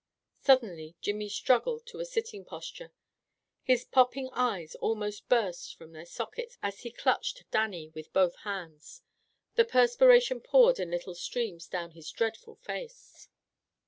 Suddenly Jimmy struggled to a sitting posture. His popping eyes almost burst from their sockets as he clutched Dannie with both hands. The perspiration poured in little streams down his dreadful face.